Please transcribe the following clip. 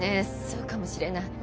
そうかもしれない。